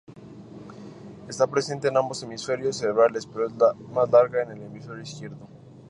Está presente en ambos hemisferios cerebrales, pero es más larga en el hemisferio izquierdo.